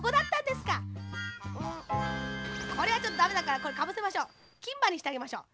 「んこれはちょっとだめだからこれかぶせましょう。きんばにしてあげましょう。